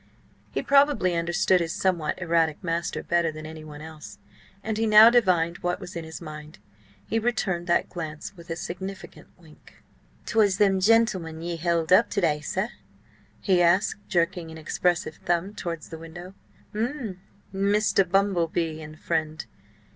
He probably understood his somewhat erratic master better than anyone else, and he now divined what was in his mind. He returned that glance with a significant wink. "'Twas them gentlemen ye held up to day, sir?" he asked, jerking an expressive thumb towards the window. "M'm. Mr. Bumble Bee and friend.